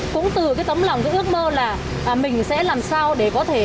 cũng từ tấm lòng giữ ước mơ là mình sẽ làm sao để có thể